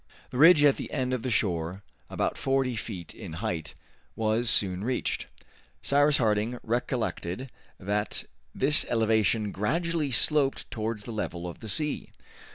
The ridge at the end of the shore, about forty feet in height, was soon reached. Cyrus Harding recollected that this elevation gradually sloped towards the level of the sea.